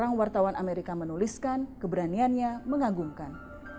orang wartawan amerika menuliskan keberaniannya mengagumkan